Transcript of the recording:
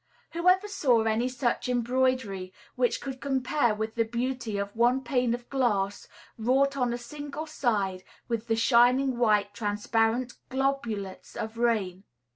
Who ever saw any such embroidery which could compare with the beauty of one pane of glass wrought on a single side with the shining white transparent globulets of rain?